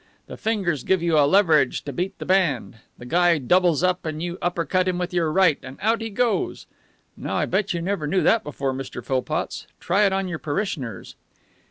The fingers give you a leverage to beat the band. The guy doubles up, and you upper cut him with your right, and out he goes.' Now, I bet you never knew that before, Mr. Philpotts. Try it on your parishioners."